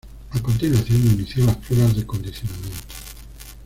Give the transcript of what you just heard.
A continuación, inició las pruebas de condicionamiento.